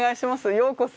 ようこそ。